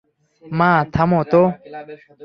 মা, থামো তো।